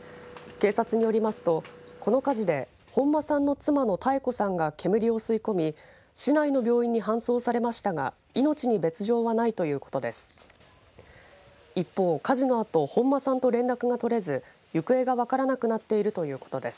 警察によりますとこの火事で本間さんの妻の妙子さんが煙を吸い込み市内の病院に搬送されましたが命に別状はないということです。